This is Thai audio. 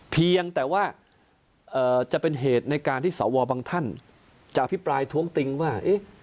เพียงแต่ว่าจะเป็นเหตุในการที่สวบางท่านจะอภิปรายท้วงติงว่า